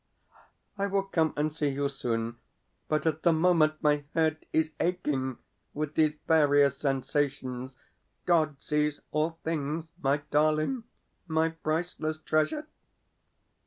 I will come and see you soon, but at the moment my head is aching with these various sensations. God sees all things, my darling, my priceless treasure!